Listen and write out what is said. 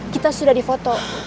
kita sudah di foto